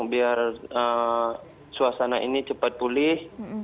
biar suasana ini cepat pulih